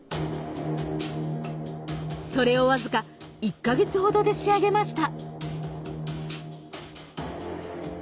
それをわずか１か月ほどで仕上げました